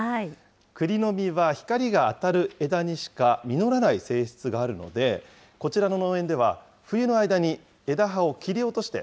くりの実は光が当たる枝にしか実らない性質があるので、こちらの農園では、冬の間に枝葉を切り落として、